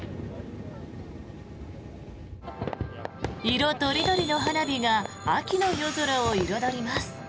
色とりどりの花火が秋の夜空を彩ります。